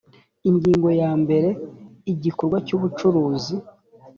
ingingo ya mbere igikorwa cy ubucuruzi